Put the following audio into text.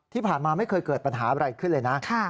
ที่ผ่านมาไม่เคยเกิดปัญหาอะไรขึ้นเลยนะ